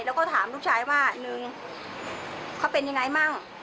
แล้วก็ถามลูกชายว่าหนึ่งเขาเป็นยังไงมั่ง